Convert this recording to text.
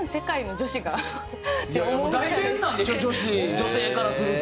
女子女性からすると。